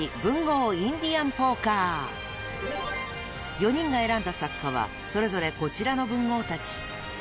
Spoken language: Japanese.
［４人が選んだ作家はそれぞれこちらの文豪たち］